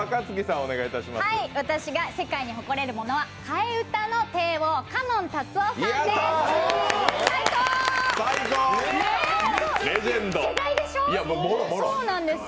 私が世界に誇れるものは替え歌の帝王嘉門タツオさんです。